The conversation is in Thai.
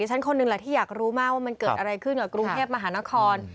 ฉันคนหนึ่งแหละที่อยากรู้มากว่ามันเกิดอะไรขึ้นกับกรุงเทพมหานคร